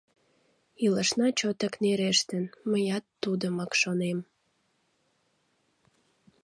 — Илышна чотак нерештын— Мыят тудымак шонем.